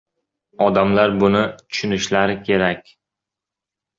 odamlar buni tushunishlari kerak.